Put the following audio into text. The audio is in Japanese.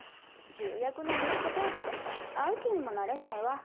重役の息子程度じゃ会う気にもなれないわ。